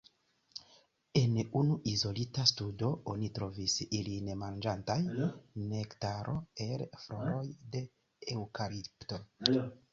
En unu izolita studo oni trovis ilin manĝantaj nektaron el floroj de eŭkalipto.